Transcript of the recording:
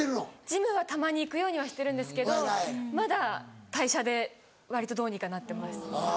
ジムはたまに行くようにはしてるんですけどまだ代謝で割とどうにかなってます。